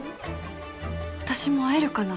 私も会えるかな？